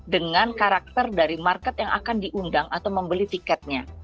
dengan karakter dari market yang akan diundang atau membeli tiketnya